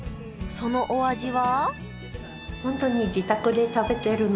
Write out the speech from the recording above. そのお味は？